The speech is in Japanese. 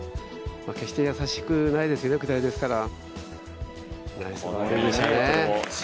決してやさしくないですね、下りですから。